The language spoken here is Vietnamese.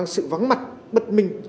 sự vắng mặt bất minh